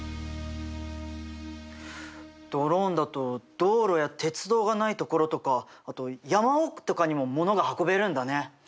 ドローンだと道路や鉄道がないところとかあと山奥とかにもものが運べるんだね。